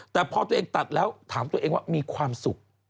แต่พอตัวเองตัดแล้วถามตัวเองว่ามีความสุข